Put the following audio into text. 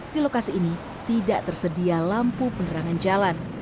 di lokasi ini tidak tersedia lampu penerangan jalan